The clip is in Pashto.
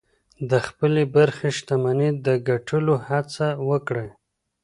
د خپلې برخې شتمني د ګټلو هڅه وکړئ.